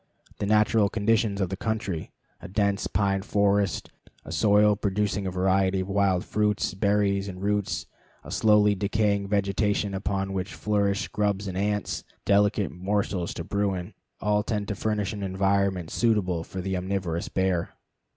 The natural conditions of the country a dense pine forest; a soil producing a variety of wild fruits, berries, and roots; a slowly decaying vegetation upon which flourish grubs and ants, delicate morsels to Bruin all tend to furnish an environment suitable to the omnivorous bear.